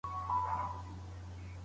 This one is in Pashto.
ښوونه د علم د شریکولو ترټولو ښه لاره ده.